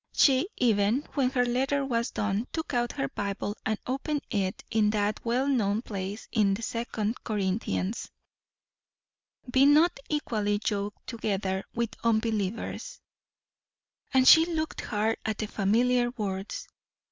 She even, when her letter was done, took out her Bible and opened it at that well known place in 2nd Corinthians; "Be not unequally yoked together with unbelievers" and she looked hard at the familiar words.